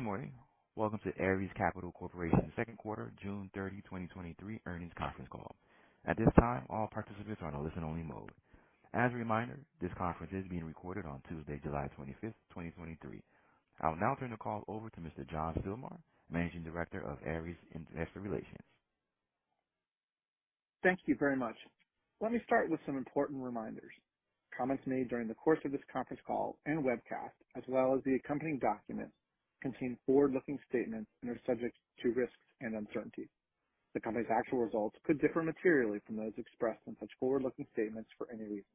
Good morning. Welcome to Ares Capital Corporation's second quarter, June 30th, 2023 earnings conference call. At this time, all participants are on a listen-only mode. As a reminder, this conference is being recorded on Tuesday, July twenty-fifth, twenty twenty-three. I will now turn the call over to Mr. John Stilmar, Managing Director of Ares Investor Relations. Thank you very much. Let me start with some important reminders. Comments made during the course of this conference call and webcast, as well as the accompanying documents, contain forward-looking statements and are subject to risks and uncertainties. The company's actual results could differ materially from those expressed in such forward-looking statements for any reason,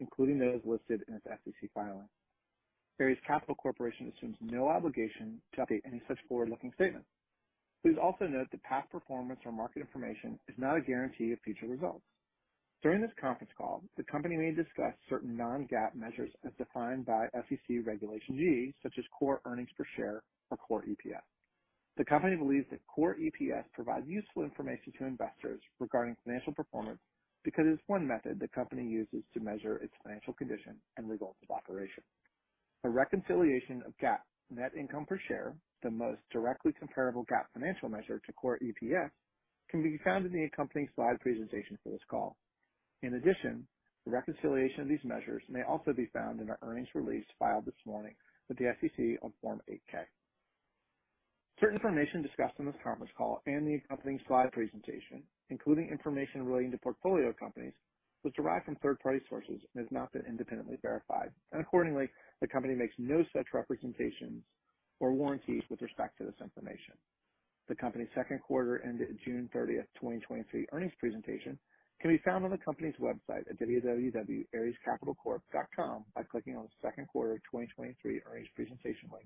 including those listed in its SEC filing. Ares Capital Corporation assumes no obligation to update any such forward-looking statements. Please also note that past performance or market information is not a guarantee of future results. During this conference call, the company may discuss certain non-GAAP measures as defined by SEC Regulation G, such as core earnings per share or core EPS. The company believes that core EPS provides useful information to investors regarding financial performance because it's one method the company uses to measure its financial condition and results of operation. A reconciliation of GAAP net income per share, the most directly comparable GAAP financial measure to core EPS, can be found in the accompanying slide presentation for this call. The reconciliation of these measures may also be found in our earnings release filed this morning with the SEC on Form 8-K. Certain information discussed on this conference call and the accompanying slide presentation, including information relating to portfolio companies, was derived from third-party sources and has not been independently verified, and accordingly, the company makes no such representations or warranties with respect to this information. The company's second quarter ended June 30th, 2023 earnings presentation can be found on the company's website at www.arescapitalcorp.com by clicking on the second quarter 2023 earnings presentation link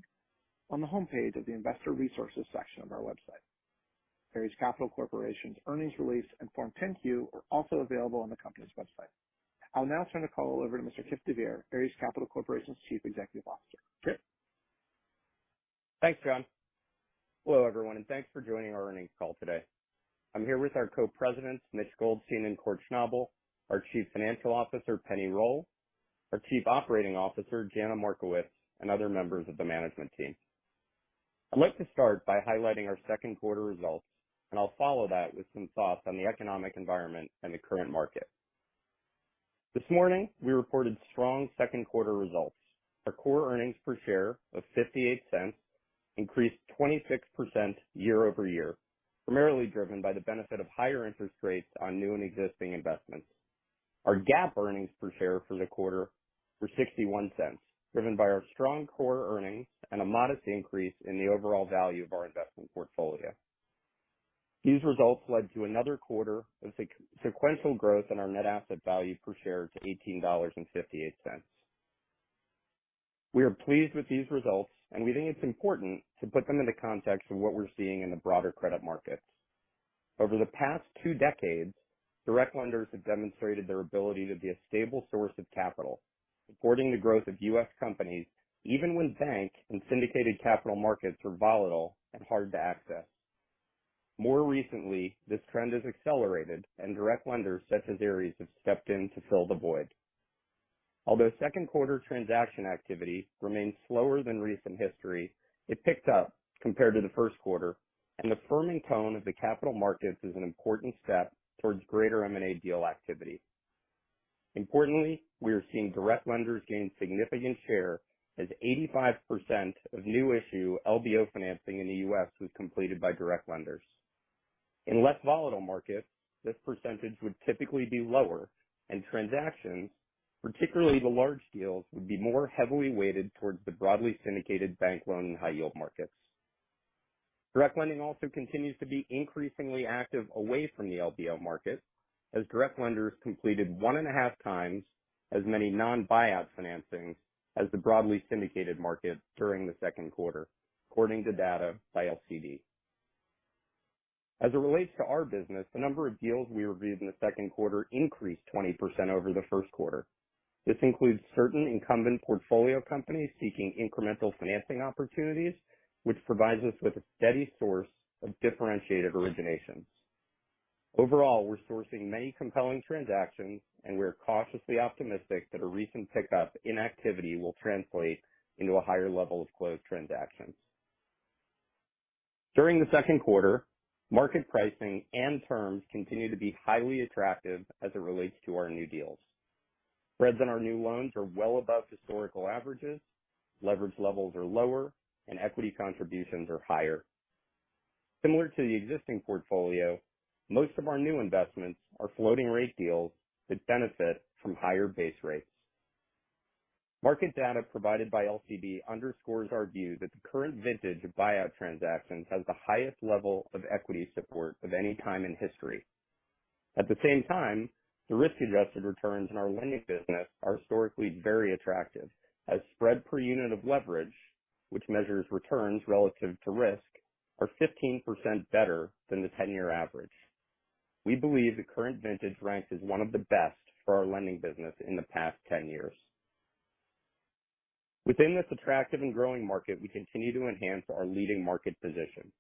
on the homepage of the Investor Resources section of our website. Ares Capital Corporation's earnings release and Form 10-Q are also available on the company's website. I'll now turn the call over to Mr. Kipp DeVeer, Ares Capital Corporation's Chief Executive Officer. Kipp? Thanks, John. Hello, everyone, thanks for joining our earnings call today. I'm here with our Co-Presidents, Mitch Goldstein and Kort Schnabel, our Chief Financial Officer, Penni Roll, our Chief Operating Officer, Jana Markowicz, and other members of the management team. I'd like to start by highlighting our second quarter results, I'll follow that with some thoughts on the economic environment and the current market. This morning, we reported strong second quarter results. Our core earnings per share of $0.58 increased 26% year-over-year, primarily driven by the benefit of higher interest rates on new and existing investments. Our GAAP earnings per share for the quarter were $0.61, driven by our strong core earnings and a modest increase in the overall value of our investment portfolio. These results led to another quarter of sequential growth in our net asset value per share to $18.58. We are pleased with these results. We think it's important to put them into context of what we're seeing in the broader credit markets. Over the past two decades, direct lenders have demonstrated their ability to be a stable source of capital, supporting the growth of U.S. companies, even when bank and syndicated capital markets were volatile and hard to access. More recently, this trend has accelerated. Direct lenders such as Ares, have stepped in to fill the void. Although second quarter transaction activity remains slower than recent history, it picked up compared to the first quarter. The firming tone of the capital markets is an important step towards greater M&A deal activity. Importantly, we are seeing direct lenders gain significant share, as 85% of new issue LBO financing in the U.S. was completed by direct lenders. In less volatile markets, this percentage would typically be lower. Transactions, particularly the large deals, would be more heavily weighted towards the broadly syndicated bank loan and high yield markets. Direct lending also continues to be increasingly active away from the LBO market, as direct lenders completed 1.5 times as many non-buyout financings as the broadly syndicated market during the second quarter, according to data by LCD. As it relates to our business, the number of deals we reviewed in the second quarter increased 20% over the first quarter. This includes certain incumbent portfolio companies seeking incremental financing opportunities, which provides us with a steady source of differentiated originations. Overall, we're sourcing many compelling transactions, and we are cautiously optimistic that a recent pickup in activity will translate into a higher level of closed transactions. During the second quarter, market pricing and terms continued to be highly attractive as it relates to our new deals. Spreads on our new loans are well above historical averages, leverage levels are lower, and equity contributions are higher. Similar to the existing portfolio, most of our new investments are floating rate deals that benefit from higher base rates. Market data provided by LCD underscores our view that the current vintage of buyout transactions has the highest level of equity support of any time in history. At the same time, the risk-adjusted returns in our lending business are historically very attractive, as spread per unit of leverage, which measures returns relative to risk, are 15% better than the 10-year average. We believe the current vintage ranks as one of the best for our lending business in the past 10 years. Within this attractive and growing market, we continue to enhance our leading market position.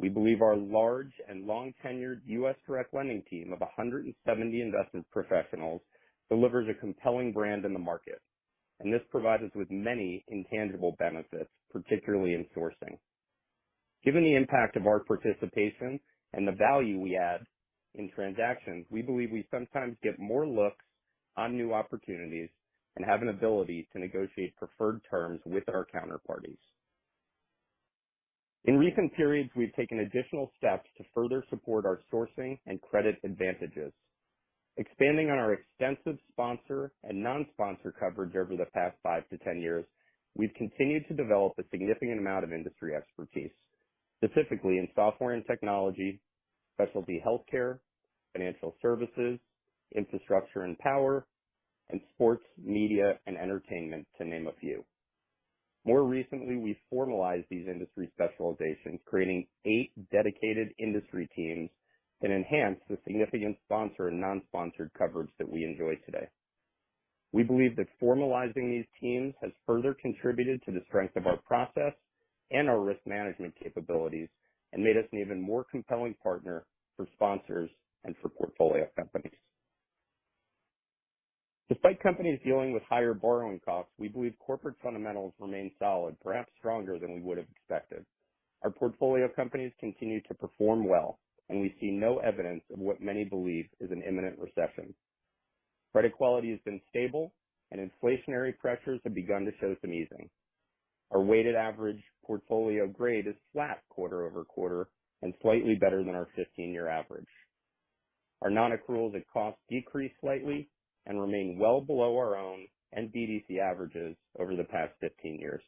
We believe our large and long-tenured U.S. direct lending team of 170 investment professionals delivers a compelling brand in the market. This provides us with many intangible benefits, particularly in sourcing. Given the impact of our participation and the value we add in transactions, we believe we sometimes get more looks on new opportunities and have an ability to negotiate preferred terms with our counterparties. In recent periods, we've taken additional steps to further support our sourcing and credit advantages. Expanding on our extensive sponsor and non-sponsor coverage over the past 5-10 years, we've continued to develop a significant amount of industry expertise, specifically in software and technology, specialty healthcare, financial services, infrastructure and power, and sports, media, and entertainment, to name a few. More recently, we've formalized these industry specializations, creating eight dedicated industry teams that enhance the significant sponsor and non-sponsored coverage that we enjoy today. We believe that formalizing these teams has further contributed to the strength of our process and our risk management capabilities, and made us an even more compelling partner for sponsors and for portfolio companies. Despite companies dealing with higher borrowing costs, we believe corporate fundamentals remain solid, perhaps stronger than we would have expected. Our portfolio companies continue to perform well, and we see no evidence of what many believe is an imminent recession. Credit quality has been stable, and inflationary pressures have begun to show some easing. Our weighted average portfolio grade is flat quarter-over-quarter and slightly better than our 15-year average. Our non-accruals at cost decreased slightly and remain well below our own and BDC averages over the past 15 years.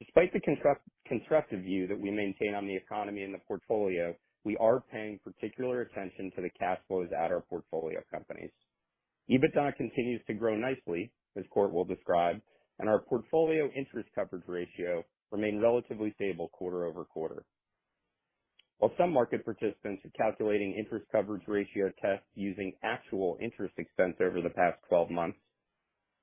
Despite the constructive view that we maintain on the economy and the portfolio, we are paying particular attention to the cash flows at our portfolio companies. EBITDA continues to grow nicely, as Kort will describe, and our portfolio interest coverage ratio remained relatively stable quarter-over-quarter. While some market participants are calculating interest coverage ratio tests using actual interest expense over the past 12 months,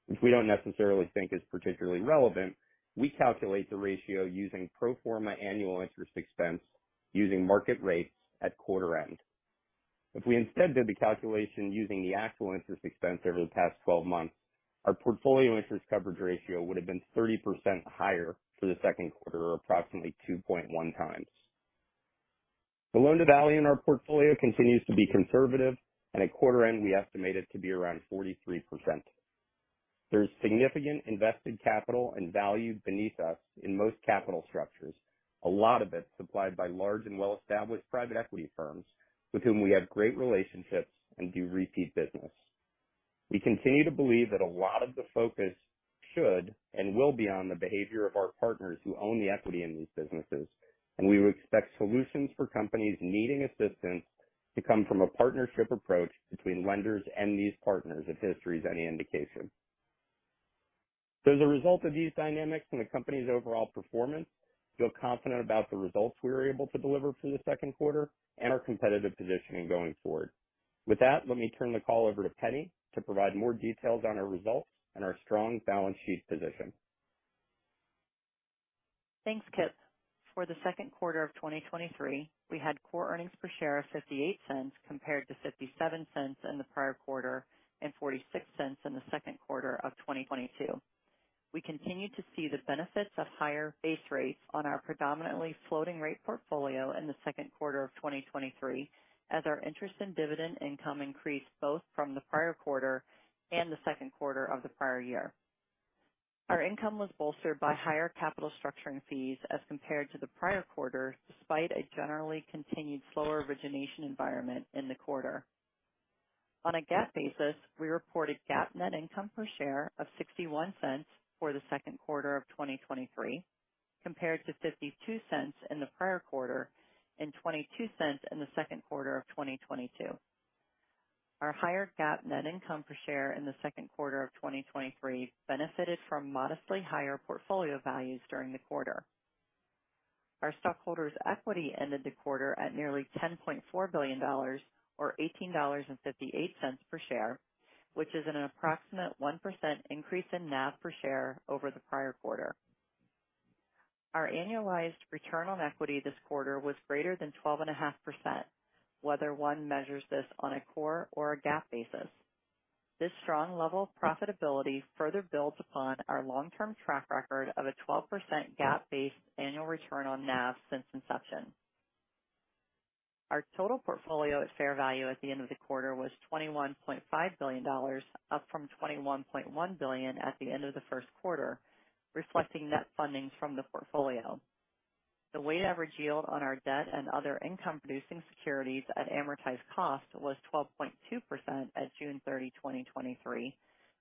which we don't necessarily think is particularly relevant, we calculate the ratio using pro forma annual interest expense, using market rates at quarter end. If we instead did the calculation using the actual interest expense over the past 12 months, our portfolio interest coverage ratio would have been 30% higher for the second quarter, or approximately 2.1 times. The loan to value in our portfolio continues to be conservative, and at quarter end, we estimate it to be around 43%. There's significant invested capital and value beneath us in most capital structures, a lot of it supplied by large and well-established private equity firms with whom we have great relationships and do repeat business. We continue to believe that a lot of the focus should and will be on the behavior of our partners who own the equity in these businesses, and we would expect solutions for companies needing assistance to come from a partnership approach between lenders and these partners, if history is any indication. As a result of these dynamics and the company's overall performance, feel confident about the results we were able to deliver for the second quarter and our competitive positioning going forward. With that, let me turn the call over to Penni to provide more details on our results and our strong balance sheet position. Thanks, Kipp. For the second quarter of 2023, we had core earnings per share of $0.58, compared to $0.57 in the prior quarter and $0.46 in the second quarter of 2022. We continued to see the benefits of higher base rates on our predominantly floating rate portfolio in the second quarter of 2023, as our interest in dividend income increased both from the prior quarter and the second quarter of the prior year. Our income was bolstered by higher capital structuring fees as compared to the prior quarter, despite a generally continued slower origination environment in the quarter. On a GAAP basis, we reported GAAP net income per share of $0.61 for the second quarter of 2023, compared to $0.52 in the prior quarter and $0.22 in the second quarter of 2022. Our higher GAAP net income per share in the second quarter of 2023 benefited from modestly higher portfolio values during the quarter. Our stockholders' equity ended the quarter at nearly $10.4 billion, or $18.58 per share, which is an approximate 1% increase in NAV per share over the prior quarter. Our annualized return on equity this quarter was greater than 12.5%, whether one measures this on a core or a GAAP basis. This strong level of profitability further builds upon our long-term track record of a 12% GAAP-based annual return on NAV since inception. Our total portfolio at fair value at the end of the quarter was $21.5 billion, up from $21.1 billion at the end of the first quarter, reflecting net fundings from the portfolio. The weighted average yield on our debt and other income-producing securities at amortized cost was 12.2% at June 30, 2023,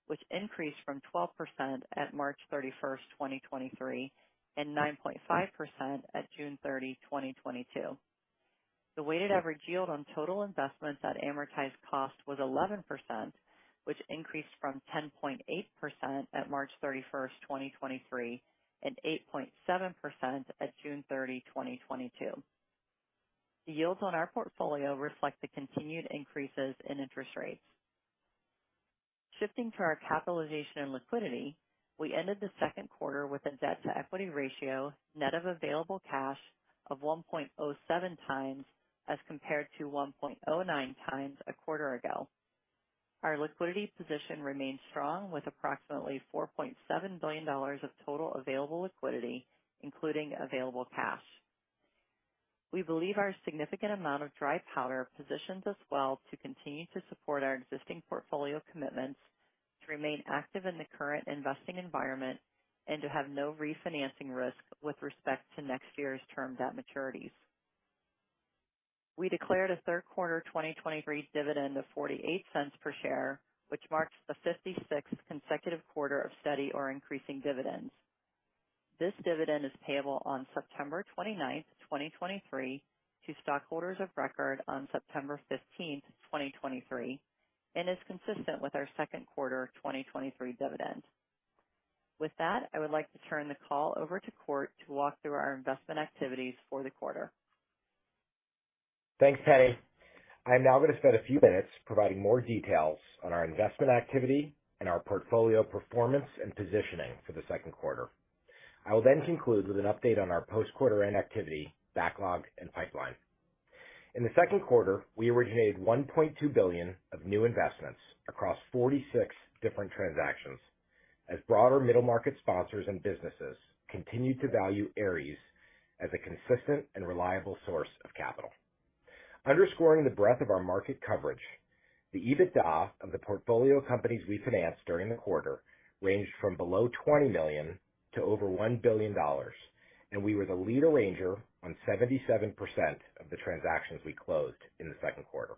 which increased from 12% at March 31st, 2023, and 9.5% at June 30, 2022. The weighted average yield on total investments at amortized cost was 11%, which increased from 10.8% at March 31, 2023, and 8.7% at June 30, 2022. The yields on our portfolio reflect the continued increases in interest rates. Shifting to our capitalization and liquidity, we ended the second quarter with a debt-to-equity ratio net of available cash of 1.07 times, as compared to 1.09 times a quarter ago. Our liquidity position remains strong, with approximately $4.7 billion of total available liquidity, including available cash. We believe our significant amount of dry powder positions us well to continue to support our existing portfolio commitments, to remain active in the current investing environment, and to have no refinancing risk with respect to next year's term debt maturities. We declared a third quarter 2023 dividend of $0.48 per share, which marks the 56th consecutive quarter of steady or increasing dividends. This dividend is payable on September 29th, 2023, to stockholders of record on September 15th, 2023, and is consistent with our second quarter 2023 dividend. I would like to turn the call over to Kort to walk through our investment activities for the quarter. Thanks, Penni. I'm now going to spend a few minutes providing more details on our investment activity and our portfolio performance and positioning for the second quarter. I will then conclude with an update on our post-quarter end activity, backlog, and pipeline. In the second quarter, we originated $1.2 billion of new investments across 46 different transactions, as broader middle market sponsors and businesses continued to value Ares as a consistent and reliable source of capital. Underscoring the breadth of our market coverage, the EBITDA of the portfolio companies we financed during the quarter ranged from below $20 million to over $1 billion, We were the lead arranger on 77% of the transactions we closed in the second quarter.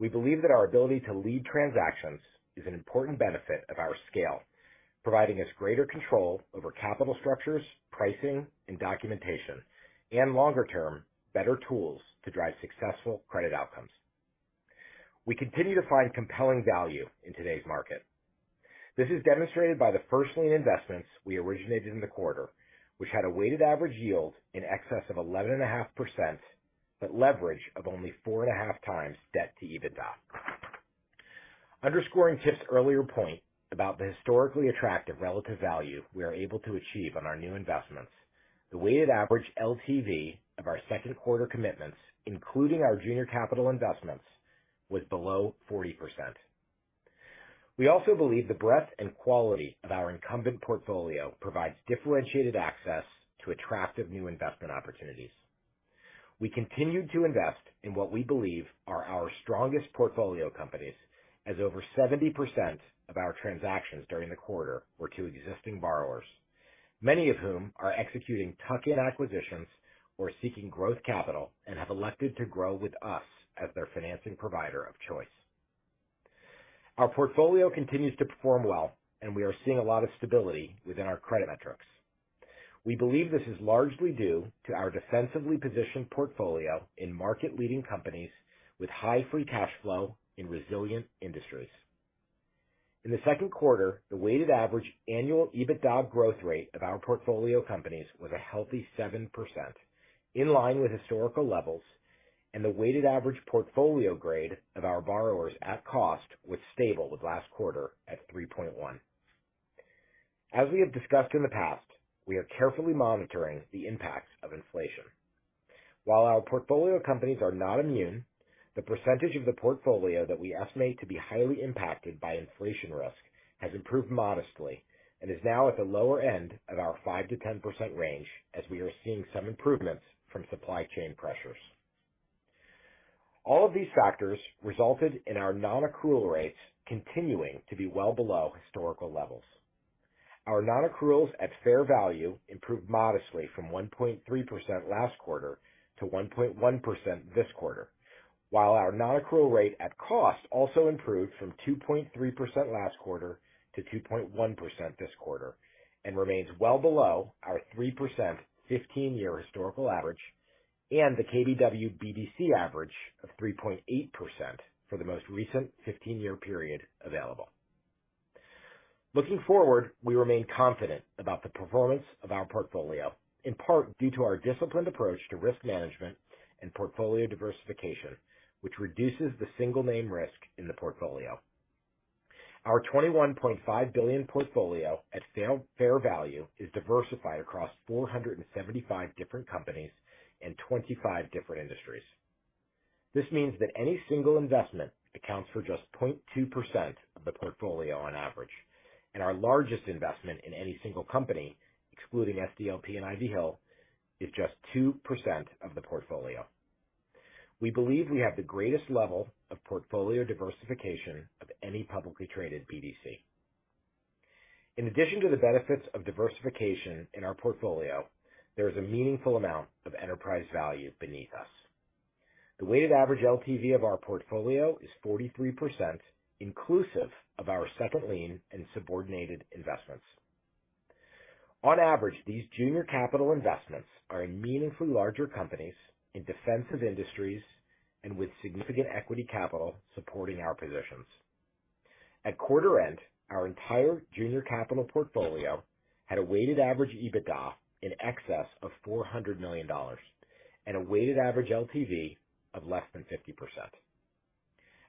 We believe that our ability to lead transactions is an important benefit of our scale, providing us greater control over capital structures, pricing, and documentation, and longer term, better tools to drive successful credit outcomes. We continue to find compelling value in today's market. This is demonstrated by the first lien investments we originated in the quarter, which had a weighted average yield in excess of 11.5%, but leverage of only 4.5x debt to EBITDA. Underscoring Kipp's earlier point about the historically attractive relative value we are able to achieve on our new investments, the weighted average LTV of our second quarter commitments, including our junior capital investments, was below 40%. We also believe the breadth and quality of our incumbent portfolio provides differentiated access to attractive new investment opportunities. We continued to invest in what we believe are our strongest portfolio companies, as over 70% of our transactions during the quarter were to existing borrowers, many of whom are executing tuck-in acquisitions or seeking growth capital and have elected to grow with us as their financing provider of choice. Our portfolio continues to perform well. We are seeing a lot of stability within our credit metrics. We believe this is largely due to our defensively positioned portfolio in market-leading companies with high free cash flow in resilient industries. In the second quarter, the weighted average annual EBITDA growth rate of our portfolio companies was a healthy 7%, in line with historical levels. The weighted average portfolio grade of our borrowers at cost was stable with last quarter at 3.1. As we have discussed in the past, we are carefully monitoring the impacts of inflation. While our portfolio companies are not immune, the percentage of the portfolio that we estimate to be highly impacted by inflation risk has improved modestly and is now at the lower end of our 5%-10% range, as we are seeing some improvements from supply chain pressures. All of these factors resulted in our nonaccrual rates continuing to be well below historical levels. Our nonaccruals at fair value improved modestly from 1.3% last quarter to 1.1% this quarter, while our nonaccrual rate at cost also improved from 2.3% last quarter to 2.1% this quarter, and remains well below our 3% 15-year historical average, and the KBW BDC average of 3.8% for the most recent 15-year period available. Looking forward, we remain confident about the performance of our portfolio, in part due to our disciplined approach to risk management and portfolio diversification, which reduces the single name risk in the portfolio. Our $21.5 billion portfolio at fair value is diversified across 475 different companies and 25 different industries. This means that any single investment accounts for just 0.2% of the portfolio on average, and our largest investment in any single company, excluding SDLP and Ivy Hill, is just 2% of the portfolio. We believe we have the greatest level of portfolio diversification of any publicly traded BDC. In addition to the benefits of diversification in our portfolio, there is a meaningful amount of enterprise value beneath us. The weighted average LTV of our portfolio is 43%, inclusive of our second lien and subordinated investments. On average, these junior capital investments are in meaningfully larger companies, in defensive industries, and with significant equity capital supporting our positions. At quarter end, our entire junior capital portfolio had a weighted average EBITDA in excess of $400 million and a weighted average LTV of less than 50%.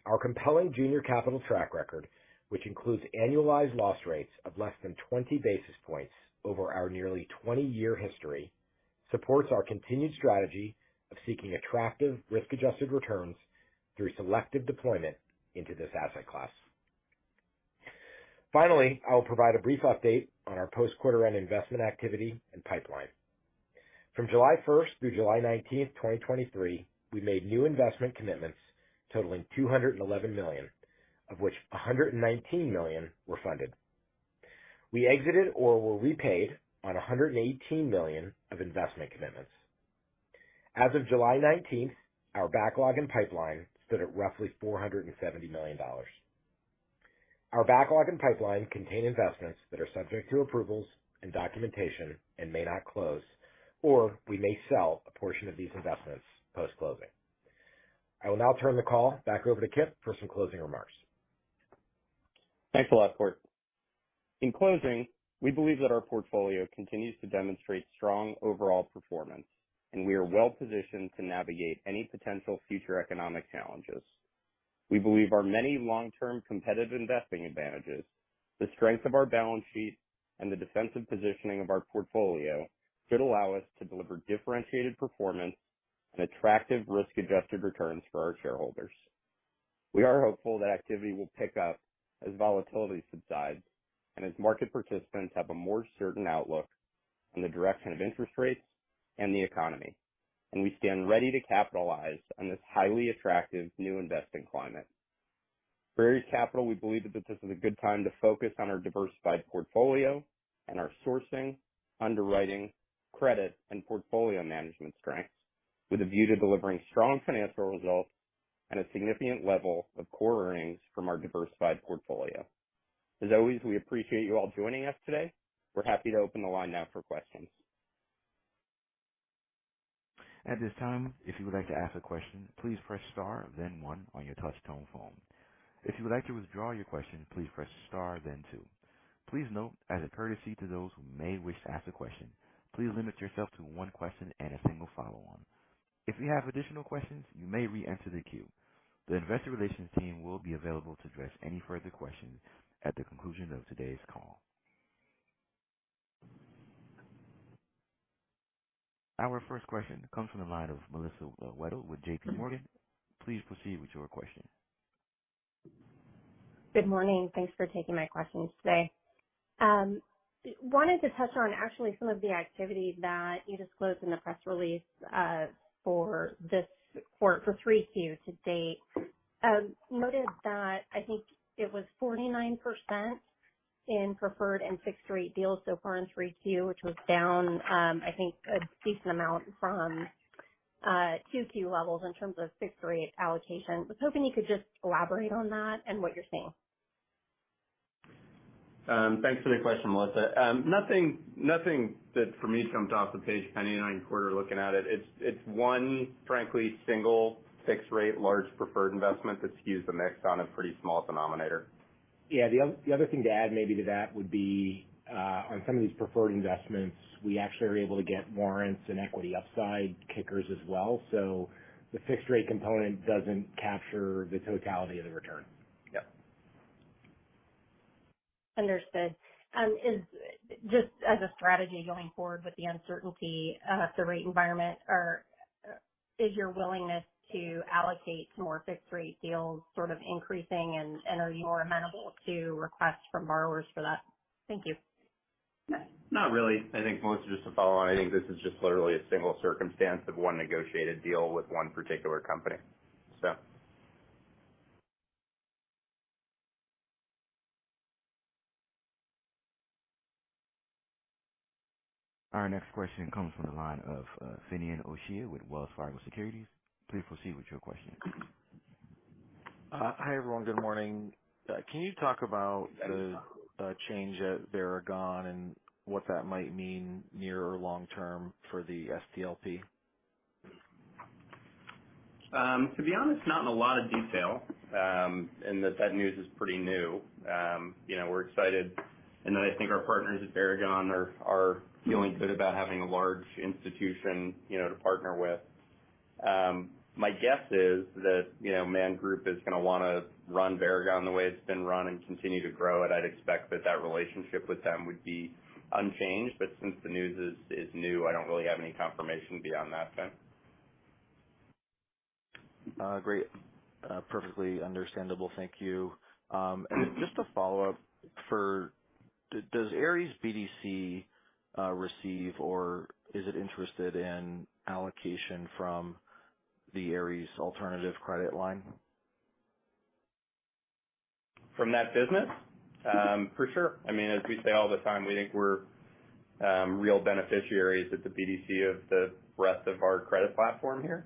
Our compelling junior capital track record, which includes annualized loss rates of less than 20 basis points over our nearly 20-year history, supports our continued strategy of seeking attractive risk-adjusted returns through selective deployment into this asset class. I will provide a brief update on our post-quarter end investment activity and pipeline. From July 1st through July 19th, 2023, we made new investment commitments totaling $211 million, of which $119 million were funded. We exited or were repaid on $118 million of investment commitments. As of July 19th, our backlog and pipeline stood at roughly $470 million. Our backlog and pipeline contain investments that are subject to approvals and documentation and may not close, or we may sell a portion of these investments post-closing. I will now turn the call back over to Kipp for some closing remarks. Thanks a lot, Kort. In closing, we believe that our portfolio continues to demonstrate strong overall performance, and we are well positioned to navigate any potential future economic challenges. We believe our many long-term competitive investing advantages, the strength of our balance sheet, and the defensive positioning of our portfolio should allow us to deliver differentiated performance and attractive risk-adjusted returns for our shareholders. We are hopeful that activity will pick up as volatility subsides and as market participants have a more certain outlook on the direction of interest rates and the economy, and we stand ready to capitalize on this highly attractive new investing climate. Ares Capital, we believe that this is a good time to focus on our diversified portfolio and our sourcing, underwriting, credit, and portfolio management strengths with a view to delivering strong financial results and a significant level of core earnings from our diversified portfolio. As always, we appreciate you all joining us today. We're happy to open the line now for questions. At this time, if you would like to ask a question, please press star then one on your touch tone phone. If you would like to withdraw your question, please press star then two. Please note, as a courtesy to those who may wish to ask a question, please limit yourself to one question and a single follow-on. If you have additional questions, you may reenter the queue. The investor relations team will be available to address any further questions at the conclusion of today's call. Our first question comes from the line of Melissa Wedel with JPMorgan. Please proceed with your question. Good morning. Thanks for taking my questions today. wanted to touch on actually some of the activity that you disclosed in the press release for this quarter for 3Q to date. noted that I think it was 49% in preferred and fixed rate deals so far in 3Q, which was down, I think a decent amount from 2Q levels in terms of fixed rate allocation. I was hoping you could just elaborate on that and what you're seeing. Thanks for the question, Melissa. Nothing, nothing that for me, jumps off the page, Penni, on your quarter looking at it. It's one, frankly, single fixed rate, large preferred investment that skews the mix on a pretty small denominator. Yeah, the other thing to add maybe to that would be, on some of these preferred investments, we actually are able to get warrants and equity upside kickers as well. The fixed rate component doesn't capture the totality of the return. Yep. Understood. Just as a strategy going forward with the uncertainty of the rate environment, is your willingness to allocate to more fixed rate deals sort of increasing? Are you more amenable to requests from borrowers for that? Thank you. Not really. I think, Melissa, just to follow on, I think this is just literally a single circumstance of one negotiated deal with one particular company, so. Our next question comes from the line of Finian O'Shea with Wells Fargo Securities. Please proceed with your question. Hi, everyone. Good morning. Can you talk about the change at Varagon and what that might mean near or long term for the SDLP? To be honest, not in a lot of detail, in that news is pretty new. You know, we're excited, and I think our partners at Varagon are feeling good about having a large institution, you know, to partner with. My guess is that, you know, Man Group is gonna wanna run Varagon the way it's been run and continue to grow it. I'd expect that relationship with them would be unchanged, but since the news is new, I don't really have any confirmation beyond that, Fin. Great. Perfectly understandable. Thank you. Just a follow-up, does Ares BDC receive or is it interested in allocation from the Ares alternative credit line? From that business? For sure. I mean, as we say all the time, we think we're real beneficiaries at the BDC of the rest of our credit platform here.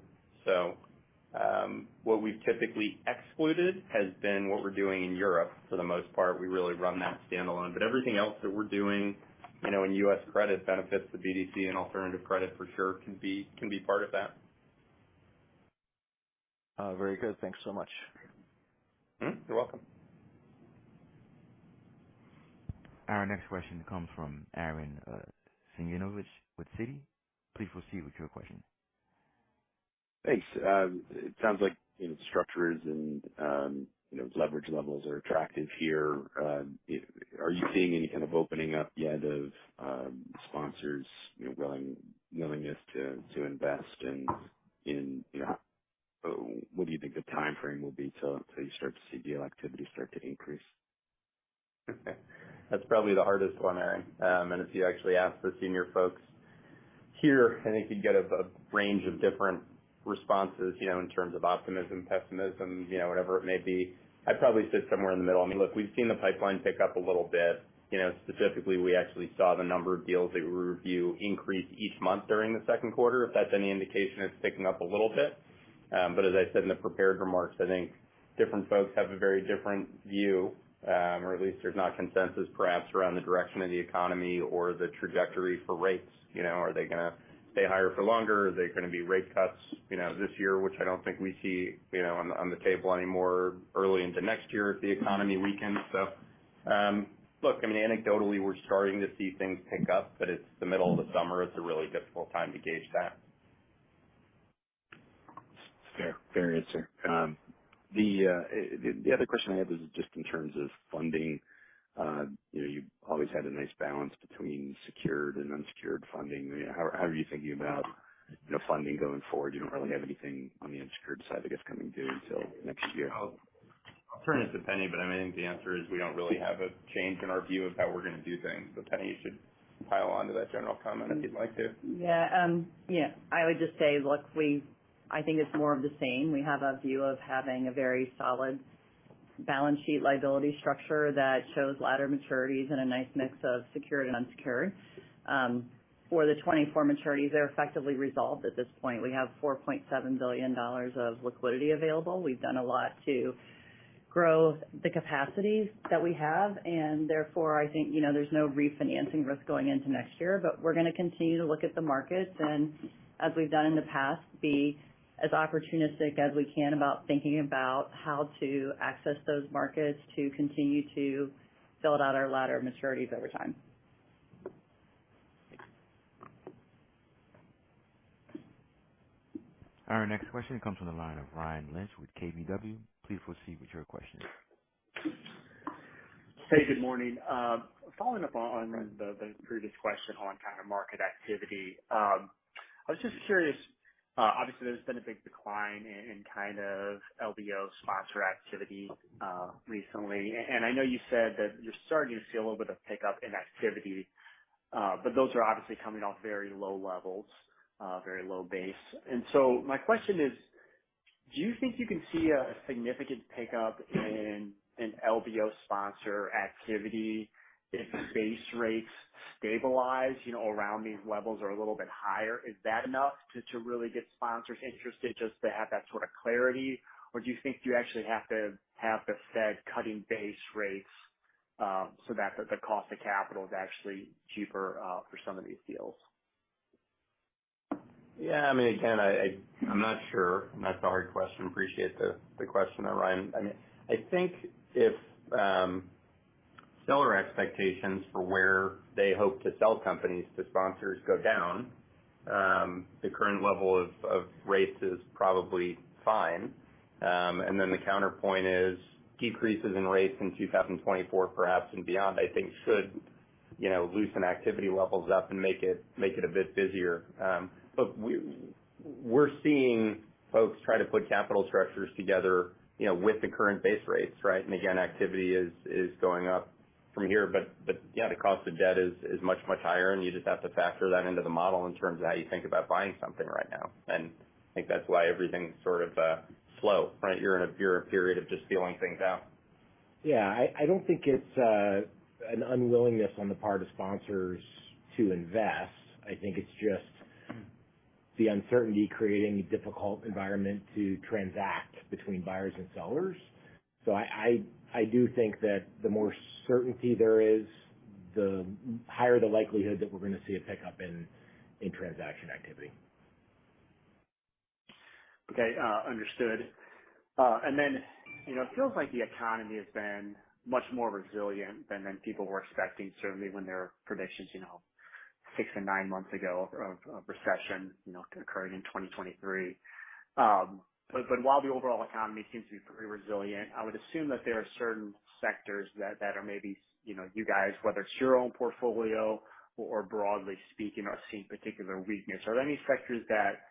What we've typically excluded has been what we're doing in Europe. For the most part, we really run that standalone. Everything else that we're doing, you know, in U.S. credit benefits the BDC and alternative credit for sure can be part of that. Very good. Thanks so much. You're welcome. Our next question comes from Arren Cyganovich with Citi. Please proceed with your question. Thanks. It sounds like, you know, structures and, you know, leverage levels are attractive here. Are you seeing any kind of opening up yet of, sponsors, you know, willingness to invest in, you know... What do you think the timeframe will be till you start to see deal activity increase? That's probably the hardest one, Arren. If you actually ask the senior folks here, I think you'd get a range of different responses, you know, in terms of optimism, pessimism, you know, whatever it may be. I'd probably sit somewhere in the middle. I mean, look, we've seen the pipeline pick up a little bit. You know, specifically, we actually saw the number of deals that we review increase each month during the second quarter. If that's any indication, it's picking up a little bit. As I said in the prepared remarks, I think different folks have a very different view, or at least there's not consensus perhaps around the direction of the economy or the trajectory for rates. You know, are they gonna stay higher for longer? Are there gonna be rate cuts, you know, this year, which I don't think we see, you know, on the table anymore, early into next year if the economy weakens? Look, I mean, anecdotally, we're starting to see things pick up, but it's the middle of the summer. It's a really difficult time to gauge that. Fair. Fair answer. The other question I had was just in terms of funding. You've always had a nice balance between secured and unsecured funding. How are you thinking about funding going forward? You don't really have anything on the unsecured side, I guess, coming due until next year. I'll turn it to Penni, but I mean, I think the answer is we don't really have a change in our view of how we're gonna do things. Penni, you should pile on to that general comment if you'd like to. Yeah, yeah, I would just say, look, I think it's more of the same. We have a view of having a very solid balance sheet liability structure that shows ladder maturities and a nice mix of secured and unsecured. For the 2024 maturities, they're effectively resolved at this point. We have $4.7 billion of liquidity available. We've done a lot to grow the capacities that we have, and therefore, I think, you know, there's no refinancing risk going into next year. We're gonna continue to look at the markets, and as we've done in the past, be as opportunistic as we can about thinking about how to access those markets to continue to build out our ladder of maturities over time. Thanks. Our next question comes from the line of Ryan Lynch with KBW. Please proceed with your question. Hey, good morning. Following up on the previous question on kind of market activity, I was just curious, obviously, there's been a big decline in kind of LBO sponsor activity recently. I know you said that you're starting to see a little bit of pickup in activity, but those are obviously coming off very low levels, very low base. My question is, do you think you can see a significant pickup in an LBO sponsor activity if base rates stabilize, you know, around these levels or a little bit higher? Is that enough to really get sponsors interested just to have that sort of clarity? Or do you think you actually have to have the Fed cutting base rates, so that the cost of capital is actually cheaper for some of these deals? Yeah, I mean, again, I'm not sure. I know that's a hard question. Appreciate the question, though, Ryan. I mean, I think if seller expectations for where they hope to sell companies to sponsors go down, the current level of rates is probably fine. The counterpoint is decreases in rates in 2024 perhaps and beyond, I think should, you know, loosen activity levels up and make it a bit busier. But we're seeing folks try to put capital structures together, you know, with the current base rates, right? Again, activity is going up from here. Yeah, the cost of debt is much higher, and you just have to factor that into the model in terms of how you think about buying something right now. I think that's why everything's sort of slow, right? You're in a, you're in a period of just feeling things out. Yeah, I don't think it's an unwillingness on the part of sponsors to invest. I think it's just the uncertainty creating a difficult environment to transact between buyers and sellers. I do think that the more certainty there is, the higher the likelihood that we're gonna see a pickup in transaction activity. Okay, understood. You know, it feels like the economy has been much more resilient than people were expecting, certainly when their predictions, you know, six to nine months ago of recession, you know, occurring in 2023. But while the overall economy seems to be pretty resilient, I would assume that there are certain sectors that are maybe, you know, you guys, whether it's your own portfolio or broadly speaking, are seeing particular weakness. Are there any sectors that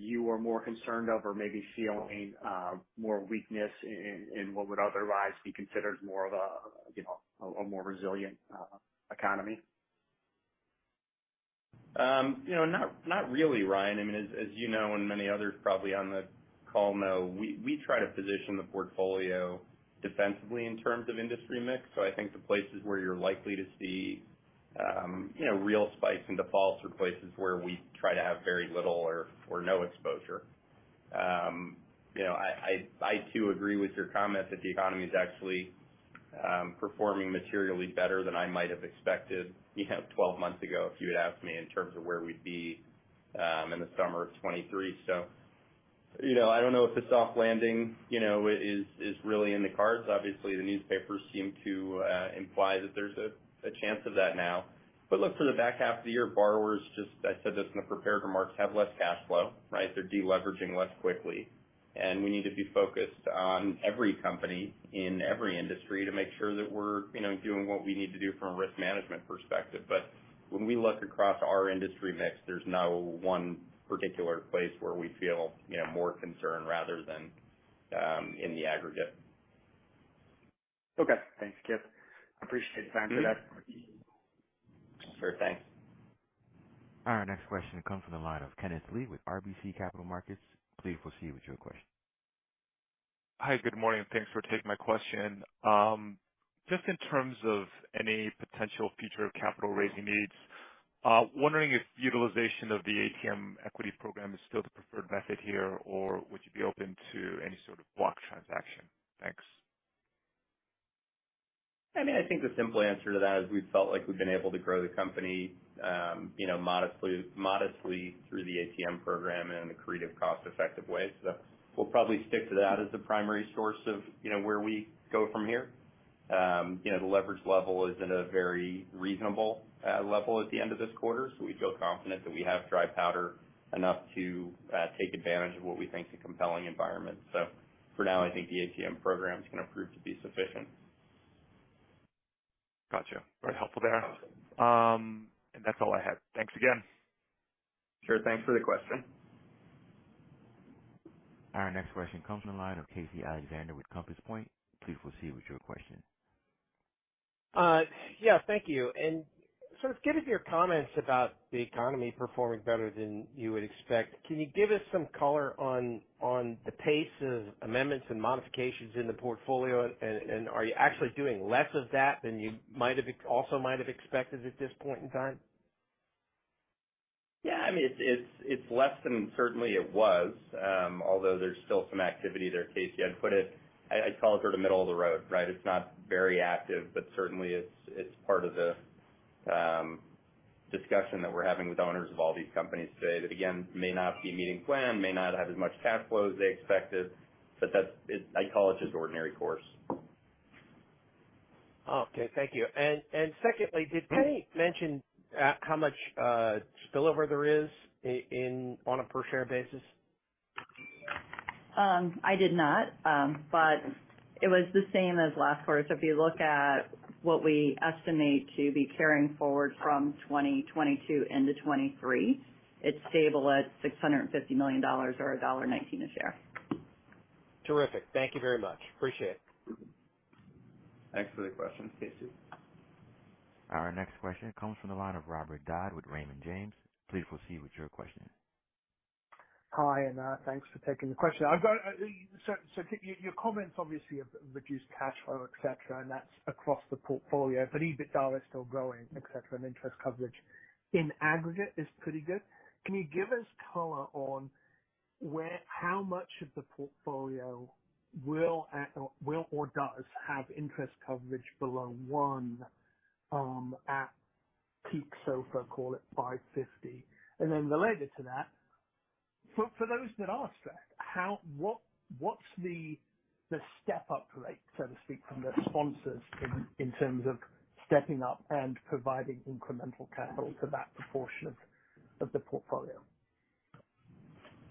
you are more concerned of or maybe seeing more weakness in what would otherwise be considered more of a, you know, a more resilient economy? You know, not really, Ryan. I mean, as you know, and many others probably on the call know, we try to position the portfolio defensively in terms of industry mix. I think the places where you're likely to see, you know, real spikes in defaults are places where we try to have very little or no exposure. You know, I too agree with your comment that the economy is actually performing materially better than I might have expected, you know, 12 months ago if you had asked me in terms of where we'd be in the summer of 2023. You know, I don't know if a soft landing, you know, is really in the cards. Obviously, the newspapers seem to imply that there's a chance of that now. Look, for the back half of the year, borrowers, just I said this in the prepared remarks, have less cash flow, right? They're de-leveraging less quickly, and we need to be focused on every company in every industry to make sure that we're, you know, doing what we need to do from a risk management perspective. When we look across our industry mix, there's no one particular place where we feel, you know, more concerned rather than, in the aggregate. Okay. Thanks, Kipp. Appreciate the time for that. Sure thing. Our next question comes from the line of Kenneth Lee with RBC Capital Markets. Please proceed with your question. Hi, good morning. Thanks for taking my question. Just in terms of any potential future capital raising needs, wondering if utilization of the ATM equity program is still the preferred method here, or would you be open to any sort of block transaction? Thanks. I mean, I think the simple answer to that is we've felt like we've been able to grow the company, you know, modestly through the ATM program in a creative, cost-effective way. We'll probably stick to that as the primary source of, you know, where we go from here. You know, the leverage level is at a very reasonable level at the end of this quarter, so we feel confident that we have dry powder enough to take advantage of what we think is a compelling environment. For now, I think the ATM program is going to prove to be sufficient. Gotcha. Very helpful there. That's all I had. Thanks again. Sure. Thanks for the question. Our next question comes from the line of Casey Alexander with Compass Point. Please proceed with your question. Yeah, thank you. Given your comments about the economy performing better than you would expect, can you give us some color on the pace of amendments and modifications in the portfolio? Are you actually doing less of that than you might have expected at this point in time? Yeah, I mean, it's less than certainly it was. There's still some activity there, Casey, I'd call it sort of middle of the road, right? It's not very active, certainly it's part of the discussion that we're having with owners of all these companies today, that, again, may not be meeting plan, may not have as much cash flow as they expected, I'd call it just ordinary course. Okay. Thank you. Secondly, did Penni mention, how much spillover there is on a per share basis? I did not, but it was the same as last quarter. If you look at what we estimate to be carrying forward from 2022 into 2023, it's stable at $650 million or $1.19 a share. Terrific. Thank you very much. Appreciate it. Thanks for the question, Casey. Our next question comes from the line of Robert Dodd with Raymond James. Please proceed with your question. Hi, thanks for taking the question. I've got your comments obviously have reduced cash flow, et cetera, and that's across the portfolio, but EBITDA is still growing, et cetera, and interest coverage in aggregate is pretty good. Can you give us color on where how much of the portfolio will or does have interest coverage below one at peak, so if I call it 550? Related to that, for those that are stuck, how, what's the step-up rate, so to speak, from the sponsors in terms of stepping up and providing incremental capital to that proportion of the portfolio?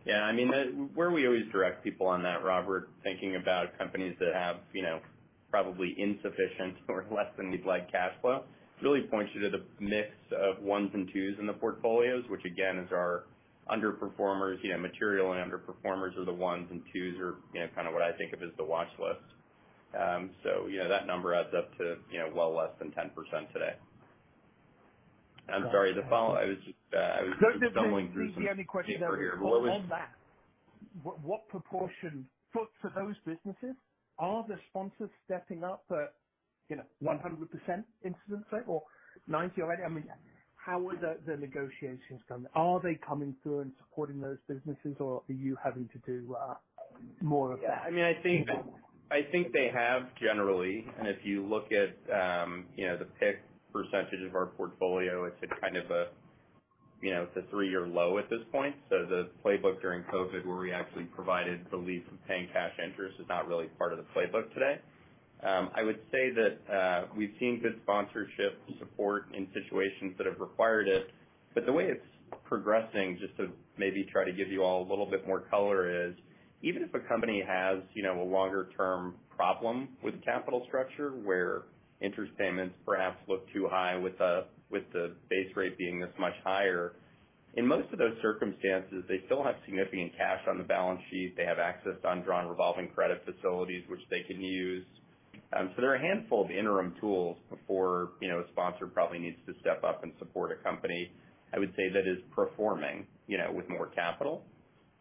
Yeah, I mean, where we always direct people on that, Robert, thinking about companies that have, you know, probably insufficient or less than we'd like cash flow, really points you to the mix of ones and twos in the portfolios, which again, is our underperformers. You know, material underperformers are the ones, and twos are, you know, kind of what I think of as the watch list. You know, that number adds up to, you know, well less than 10% today. I'm sorry, the follow-up. The only question I would follow on that, what proportion... For those businesses, are the sponsors stepping up at, you know, 100% incidence rate or 90% already? I mean, how are the negotiations going? Are they coming through and supporting those businesses, or are you having to do more of that? Yeah, I mean, I think they have generally. If you look at, you know, the PIC percentage of our portfolio, it's a kind of a, you know, it's a three-year low at this point. The playbook during COVID, where we actually provided relief from paying cash interest, is not really part of the playbook today. I would say that we've seen good sponsorship support in situations that have required it, but the way it's progressing, just to maybe try to give you all a little bit more color, is even if a company has, you know, a longer-term problem with capital structure, where interest payments perhaps look too high with the, with the base rate being this much higher, in most of those circumstances, they still have significant cash on the balance sheet. They have access to undrawn revolving credit facilities which they can use. There are a handful of interim tools before, you know, a sponsor probably needs to step up and support a company, I would say, that is performing, you know, with more capital.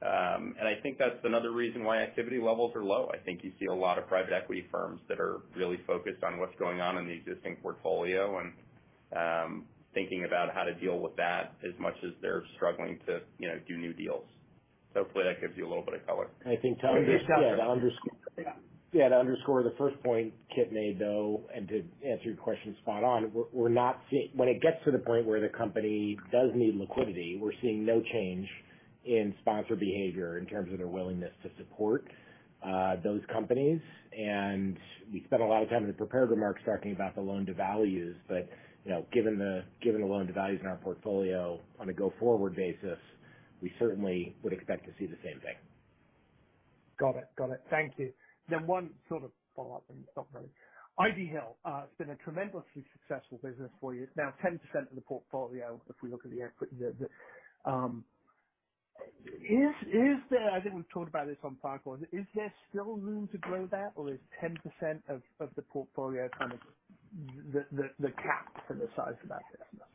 I think that's another reason why activity levels are low. I think you see a lot of private equity firms that are really focused on what's going on in the existing portfolio and thinking about how to deal with that, as much as they're struggling to, you know, do new deals. Hopefully, that gives you a little bit of color. I think, yeah, I'll Yeah, to underscore the first point Kipp made, though, and to answer your question spot on, we're not seeing -- when it gets to the point where the company does need liquidity, we're seeing no change in sponsor behavior in terms of their willingness to support, those companies. We spent a lot of time in the prepared remarks talking about the loan to values. You know, given the loan to values in our portfolio on a go-forward basis, we certainly would expect to see the same thing. Got it. Got it. Thank you. One sort of follow-up and stop there. Ivy Hill, it's been a tremendously successful business for you, now 10% of the portfolio if we look at the equity that is there, I think we've talked about this on podcast. Is there still room to grow that, or is 10% of the portfolio kind of the cap for the size of that business?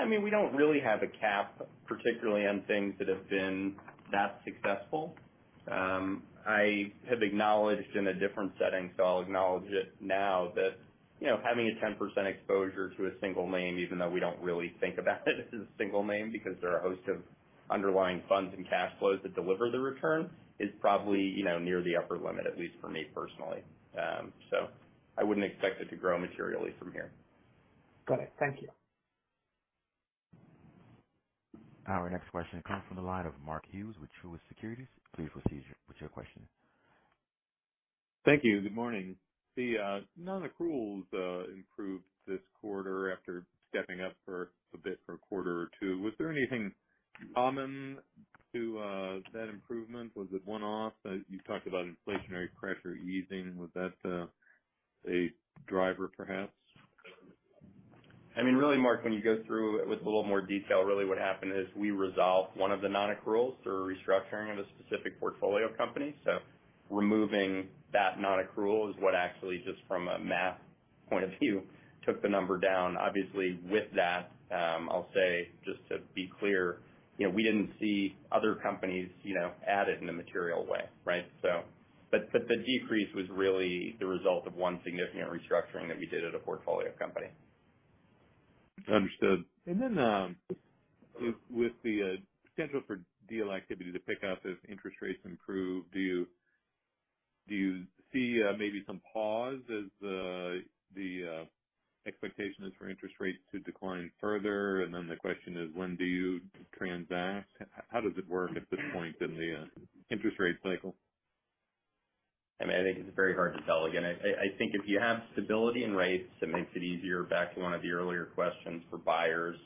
I mean, we don't really have a cap, particularly on things that have been that successful. I have acknowledged in a different setting, I'll acknowledge it now that, you know, having a 10% exposure to a single name, even though we don't really think about it as a single name, because there are a host of underlying funds and cash flows that deliver the return, is probably, you know, near the upper limit, at least for me personally. I wouldn't expect it to grow materially from here. Got it. Thank you. Our next question comes from the line of Mark Hughes with Truist Securities. Please proceed with your question. Thank you. Good morning. The non-accruals improved this quarter after stepping up for a bit for a quarter or two. Was there anything common to that improvement? Was it one-off? You talked about inflationary pressure easing. Was that a driver, perhaps? I mean, really, Mark, when you go through with a little more detail, really what happened is we resolved one of the non-accruals through a restructuring of a specific portfolio company. Removing that non-accrual is what actually, just from a math point of view, took the number down. Obviously, with that, I'll say, just to be clear, you know, we didn't see other companies, you know, add it in a material way, right? But the decrease was really the result of one significant restructuring that we did at a portfolio company. Understood. With, with the potential for deal activity to pick up as interest rates improve, do you, do you see maybe some pause as the expectation is for interest rates to decline further? The question is, when do you transact? How does it work at this point in the interest rate cycle? I mean, I think it's very hard to tell. Again, I think if you have stability in rates, it makes it easier, back to one of the earlier questions, for buyers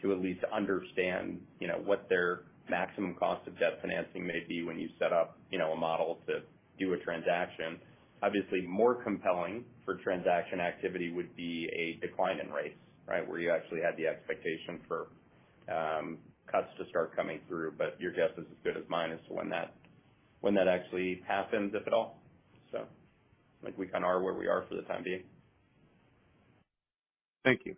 to at least understand, you know, what their maximum cost of debt financing may be when you set up, you know, a model to do a transaction. Obviously, more compelling for transaction activity would be a decline in rates, right? Where you actually have the expectation for cuts to start coming through. Your guess is as good as mine as to when that actually happens, if at all. I think we kind of are where we are for the time being. Thank you.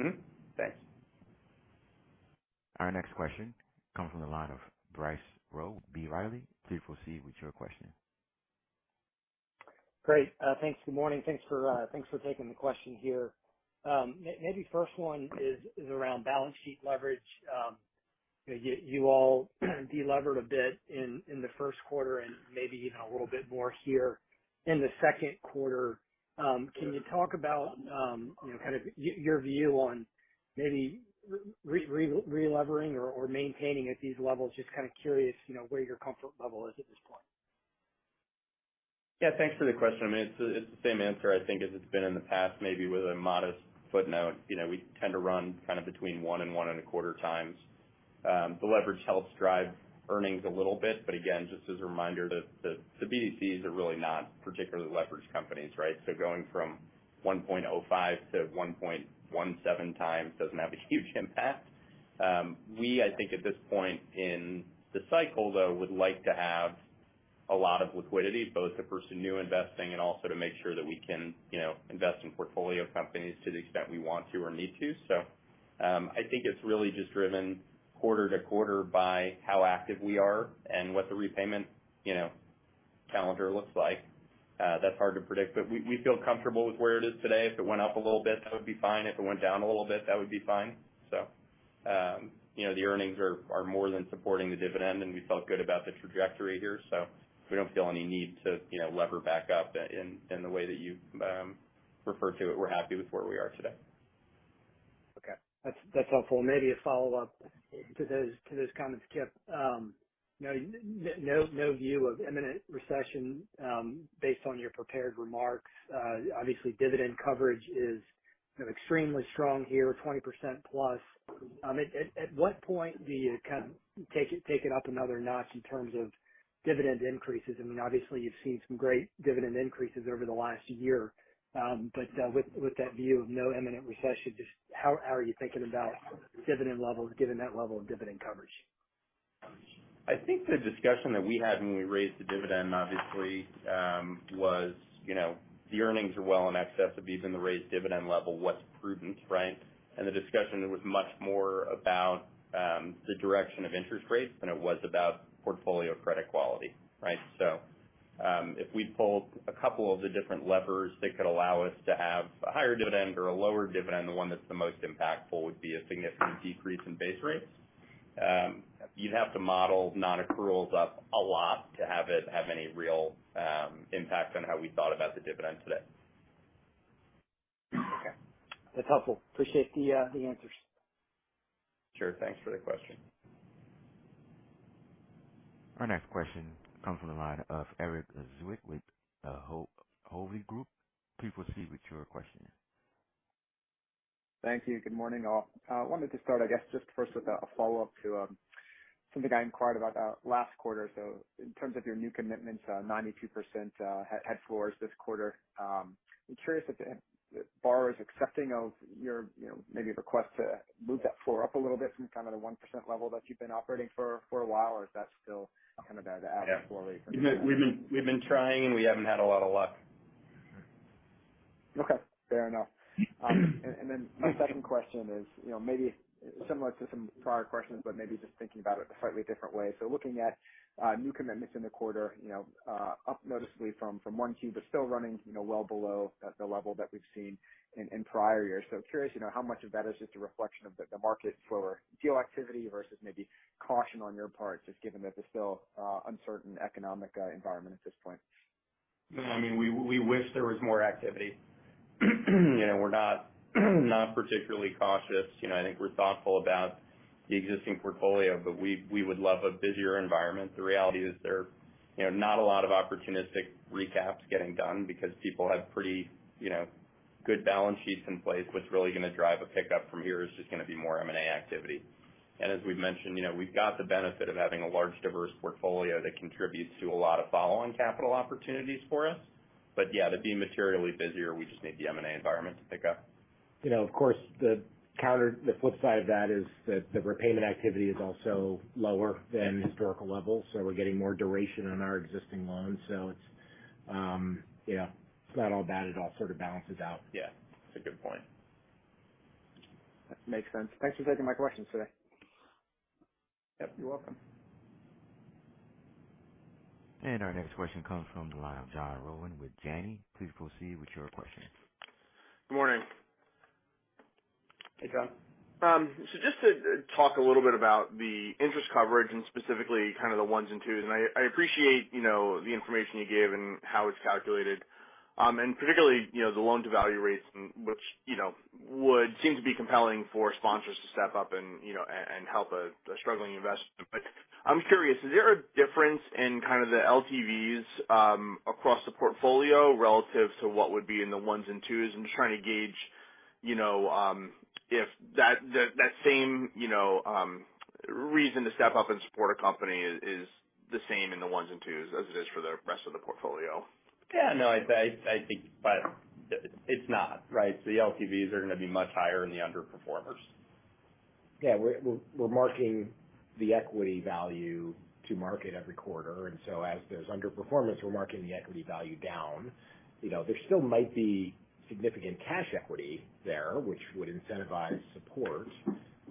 Mm-hmm. Thanks. Our next question comes from the line of Bryce Rowe, B. Riley, please proceed with your question. Great. Thanks. Thanks for, thanks for taking the question here. Maybe first one is around balance sheet leverage. You, you all delevered a bit in the first quarter and maybe even a little bit more here in the second quarter. Can you talk about, you know, kind of your view on maybe relevering or maintaining at these levels? Just kind of curious, you know, where your comfort level is at this point? Yeah, thanks for the question. I mean, it's the, it's the same answer, I think, as it's been in the past, maybe with a modest footnote. You know, we tend to run kind of between 1 and 1.25 times. The leverage helps drive earnings a little bit. Again, just as a reminder that the BDCs are really not particularly leveraged companies, right? Going from 1.05 to 1.17 times doesn't have a huge impact. We, I think, at this point in the cycle, though, would like to have a lot of liquidity, both to pursue new investing and also to make sure that we can, you know, invest in portfolio companies to the extent we want to or need to. I think it's really just driven quarter to quarter by how active we are and what the repayment, you know, calendar looks like. That's hard to predict, but we feel comfortable with where it is today. If it went up a little bit, that would be fine. If it went down a little bit, that would be fine. You know, the earnings are more than supporting the dividend, and we felt good about the trajectory here, so we don't feel any need to, you know, lever back up in the way that you refer to it. We're happy with where we are today. Okay, that's helpful. Maybe a follow-up to this comment, Kipp. No, no view of imminent recession, based on your prepared remarks. Obviously, dividend coverage is extremely strong here, 20%+. At what point do you kind of take it up another notch in terms of dividend increases? I mean, obviously you've seen some great dividend increases over the last year, but with that view of no imminent recession, just how are you thinking about dividend levels given that level of dividend coverage? I think the discussion that we had when we raised the dividend, obviously, you know, the earnings are well in excess of even the raised dividend level. What's prudent, right? The discussion was much more about the direction of interest rates than it was about portfolio credit quality, right? If we pulled a couple of the different levers that could allow us to have a higher dividend or a lower dividend, the one that's the most impactful would be a significant decrease in base rates. You'd have to model non-accruals up a lot to have it have any real impact on how we thought about the dividend today. Okay, that's helpful. Appreciate the answers. Sure. Thanks for the question. Our next question comes from the line of Erik Zwick with Hovde Group. Please proceed with your question. Thank you. Good morning, all. I wanted to start, I guess, just first with a follow-up to something I inquired about last quarter. In terms of your new commitments, 92% had floors this quarter. I'm curious if the borrower is accepting of your, you know, maybe request to move that floor up a little bit from kind of the 1% level that you've been operating for a while? Is that still kind of at the floor rate? Yeah, we've been trying, and we haven't had a lot of luck. Okay, fair enough. Then my second question is, you know, maybe similar to some prior questions, but maybe just thinking about it a slightly different way. Looking at new commitments in the quarter, you know, up noticeably from 1Q, but still running, you know, well below the level that we've seen in prior years. Curious, you know, how much of that is just a reflection of the market for deal activity versus maybe caution on your part, just given that there's still uncertain economic environment at this point? No, I mean, we wish there was more activity. You know, we're not particularly cautious. You know, I think we're thoughtful about the existing portfolio, but we would love a busier environment. The reality is there, you know, not a lot of opportunistic recaps getting done because people have pretty, you know, good balance sheets in place. What's really gonna drive a pickup from here is just gonna be more M&A activity. As we've mentioned, you know, we've got the benefit of having a large, diverse portfolio that contributes to a lot of follow-on capital opportunities for us. Yeah, to be materially busier, we just need the M&A environment to pick up. You know, of course, the flip side of that is that the repayment activity is also lower than historical levels, so we're getting more duration on our existing loans. It's, yeah, it's not all bad. It all sort of balances out. Yeah, that's a good point. That makes sense. Thanks for taking my questions today. Yep, you're welcome. Our next question comes from the line of John Rowan with Janney. Please proceed with your question. Good morning. Hey, John. Just to talk a little bit about the interest coverage and specifically kind of the ones and twos, and I appreciate, you know, the information you gave and how it's calculated. Particularly, you know, the loan-to-value rates, which you know, would seem to be compelling for sponsors to step up and, you know, and help a struggling investor. I'm curious, is there a difference in kind of the LTVs across the portfolio relative to what would be in the ones and twos? I'm just trying to gauge, you know, if that same, you know, reason to step up and support a company is the same in the ones and twos as it is for the rest of the portfolio. Yeah, no, I think but it's not, right? The LTVs are gonna be much higher in the underperformers. Yeah, we're marking the equity value to market every quarter. As there's underperformance, we're marking the equity value down. You know, there still might be significant cash equity there, which would incentivize support.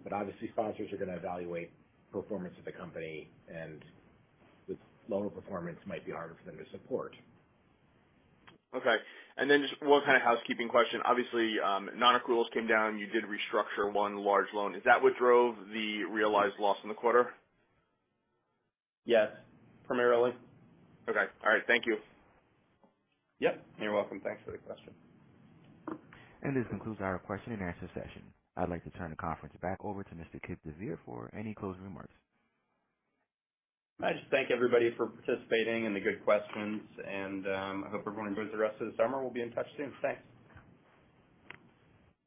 Obviously sponsors are gonna evaluate performance of the company, and the loan performance might be harder for them to support. Okay. Just one kind of housekeeping question. Obviously, non-accruals came down. You did restructure one large loan. Is that what drove the realized loss in the quarter? Yes, primarily. Okay. All right. Thank you. Yep, you're welcome. Thanks for the question. This concludes our question and answer session. I'd like to turn the conference back over to Mr. Kipp DeVeer for any closing remarks. I just thank everybody for participating and the good questions. I hope everyone enjoys the rest of the summer. We'll be in touch soon. Thanks.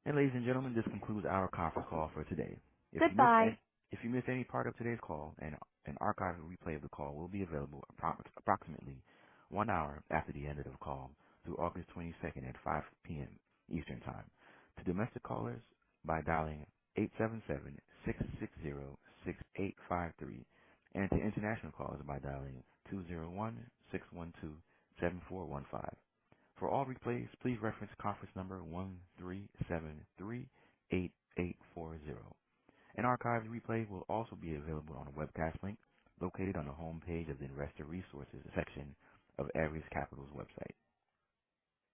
Ladies and gentlemen, this concludes our conference call for today. Goodbye. If you miss any part of today's call, an archived replay of the call will be available approximately 1 hour after the end of the call through August 22nd at 5:00 P.M. Eastern Time. To domestic callers by dialing 877-660-6853, and to international callers by dialing 201-612-7415. For all replays, please reference conference number 13738840. An archived replay will also be available on a webcast link located on the homepage of the Investor Resources section of Ares Capital's website.